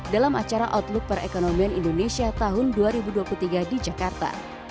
dalam acara outlook perekonomian indonesia tahun dua ribu dua puluh tiga di jakarta